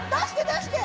出して！